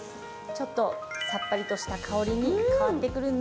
ちょっとさっぱりとした香りに変わってくるのかな？